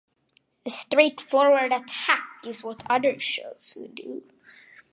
A straightforward attack is what other shows would do.